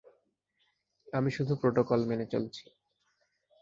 আমি শুধু প্রোটোকল মেনে চলছি!